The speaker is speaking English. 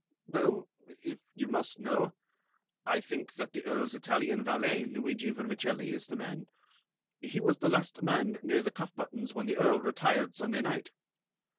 "Well, if you must know, I think that the Earl's Italian valet, Luigi Vermicelli, is the man. He was the last man near the cuff buttons when the Earl retired Sunday night."